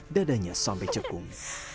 dadanya sampai cekung